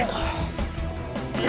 aku mau ke kota ini